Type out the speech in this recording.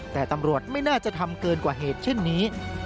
แต่ตำรวจไม่น่าจะทำเกินกว่าเหตุเช่นนี้